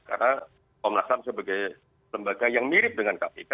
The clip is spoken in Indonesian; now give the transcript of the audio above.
karena om lasam sebagai lembaga yang mirip dengan kpk